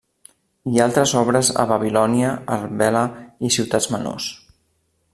I altres obres a Babilònia, Arbela, i ciutats menors.